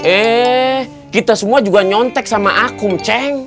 eh kita semua juga nyontek sama akun ceng